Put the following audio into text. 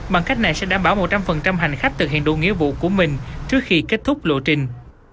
bằng cách này sẽ đảm bảo một trăm linh hành khách thực hiện đủ nghĩa vụ của mình trước khi kết thúc lộ trình